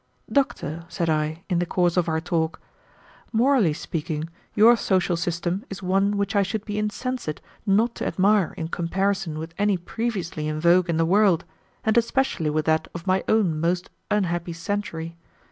"Doctor," said I, in the course of our talk, "morally speaking, your social system is one which I should be insensate not to admire in comparison with any previously in vogue in the world, and especially with that of my own most unhappy century.